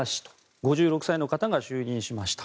５６歳の方が就任しました。